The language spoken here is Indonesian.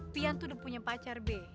fian tuh udah punya pacar be